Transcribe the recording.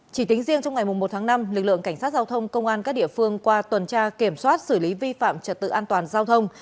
chỉ tính riêng trong ngày một tháng năm lực lượng cảnh sát giao thông công an các địa phương qua tuần tra kiểm soát xử lý vi phạm trật tự an toàn giao thông